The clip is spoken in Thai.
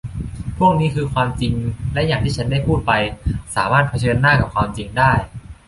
พวกนี้คือความจริงและอย่างที่ฉันได้พูดไป ฉันสามารถเผชิญหน้ากับความจริงได้